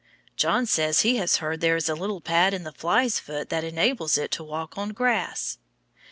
John says he has heard there is a little pad in the fly's foot that enables it to walk on glass.